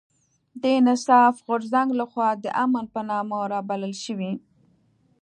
د انصاف غورځنګ لخوا د امن په نامه رابلل شوې